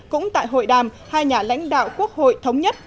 cũng tại hội đàm hai nhà lãnh đạo quốc hội thống nhất